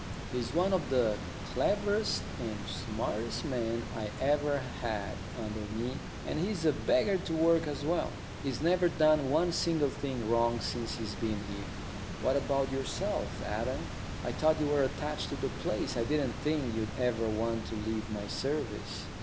He's one of the cleverest and smartest men I ever had under me, and he's a beggar to work as well. He's never done one single thing wrong since he's been here." "What about yourself, Adam? I thought you were attached to the place. I didn't think you'd ever want to leave my service."